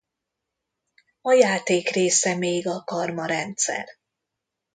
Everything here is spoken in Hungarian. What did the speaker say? A játék része még a karma-rendszer.